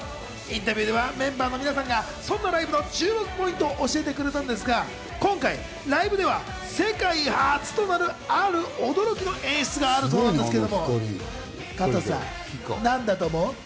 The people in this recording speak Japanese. インタビューではメンバーの皆さんがそんなライブの注目ポイントを教えてくれたんですが、今回ライブでは世界初となるある驚きの演出があるそうなんですけれども、加藤さん、何だと思う？